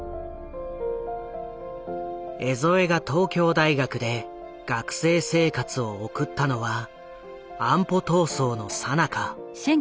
江副が東京大学で学生生活を送ったのは安保闘争のさなか。